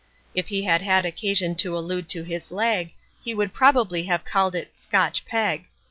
If he had had occasion to allude to his leg he would probably have called it "Scotch peg."